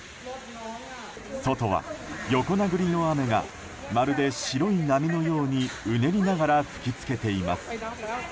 外は横殴りの雨がまるで白い波のようにうねりながら吹き付けています。